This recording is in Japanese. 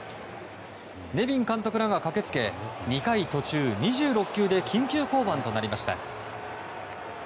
ネビン監督らが駆け付け２回途中２６球で緊急降板となりました。